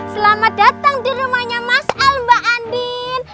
selamat datang di rumahnya mas al mbak andin